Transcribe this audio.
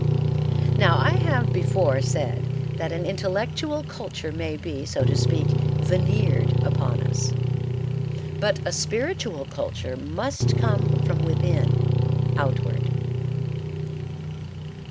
Now I have before said that an intellectual culture may be, so to speak, veneered upon us, but a spiritual culture must come from within outward.